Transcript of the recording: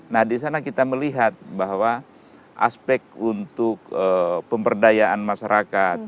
nah di sana kita melihat bahwa aspek untuk pemberdayaan masyarakat